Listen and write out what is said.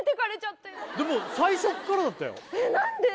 でも最初っからだったよえっ何で？